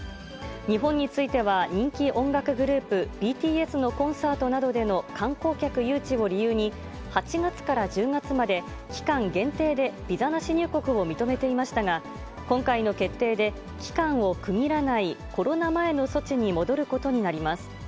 日本については人気音楽グループ、ＢＴＳのコンサートなどでの観光客誘致を理由に、８月から１０月まで期間限定でビザなし入国を認めていましたが、今回の決定で期間を区切らないコロナ前の措置に戻ることになります。